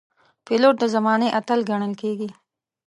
پیلوټ د زمانې اتل ګڼل کېږي.